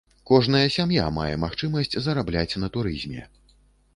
Кожная сям'я мае магчымасць зарабляць на турызме.